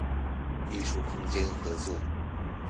藝術空間合作